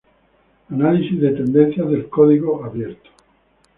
Análisis de tendencias del código abierto.